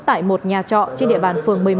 tại một nhà trọ trên địa bàn phường một mươi một